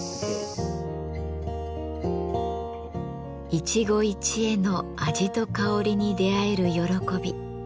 一期一会の味と香りに出会える喜び。